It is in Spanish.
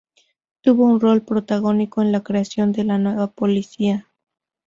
Tuvo un rol protagónico en la creación de la nueva policía.